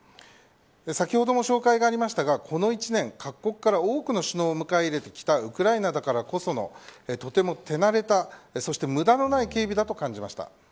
先ほども紹介しましたがこの１年、各国から多くの首脳を迎え入れてきたウクライナだからこその手慣れた無駄のない警備だと感じました。